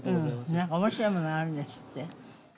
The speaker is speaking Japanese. なんか面白いものがあるんですって。